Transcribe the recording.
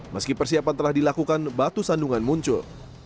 meski persiapan telah dilakukan batu sandungan muncul